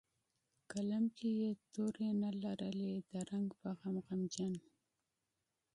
قلم کې یې توري نه لري د رنګ په غم غمجن